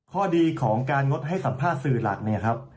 ข้อดีของการงดให้สัมภาษณ์สื่อหลักเนี่ยครับ